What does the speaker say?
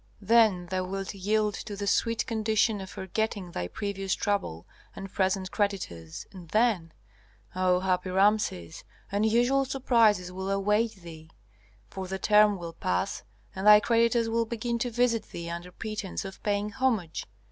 Then thou wilt yield to the sweet condition of forgetting thy previous trouble and present creditors, and then Ah, happy Rameses, unusual surprises will await thee! For the term will pass, and thy creditors will begin to visit thee under pretence of paying homage.